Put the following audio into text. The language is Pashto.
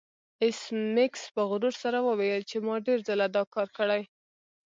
ایس میکس په غرور سره وویل چې ما ډیر ځله دا کار کړی